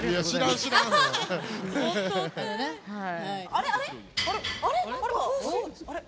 あれあれ？